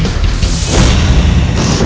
aduh kayak gitu